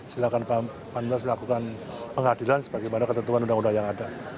silakan panbas melakukan pengadilan sebagai ketentuan undang undang yang ada